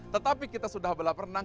tetapi kita sudah balap renang